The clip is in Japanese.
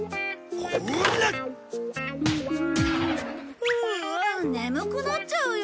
フア眠くなっちゃうよ。